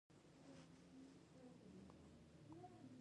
ښه نه راځي، له ده څخه مې پوښتنه وکړل.